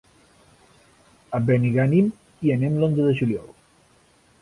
A Benigànim hi anem l'onze de juliol.